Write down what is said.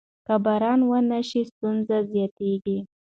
که باران ونه شي ستونزې زیاتېږي.